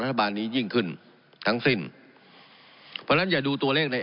รัฐบาลนี้ยิ่งขึ้นทั้งสิ้นเพราะฉะนั้นอย่าดูตัวเลขใน